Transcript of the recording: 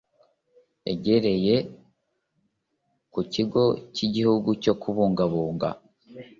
yagereye ku kigo cy igihugu cyo kubungabunga